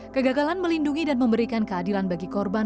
kegagalan melindungi dan memberikan keadilan bagi korban